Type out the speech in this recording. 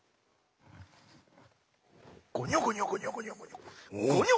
ごにょごにょごにょごにょごにょ。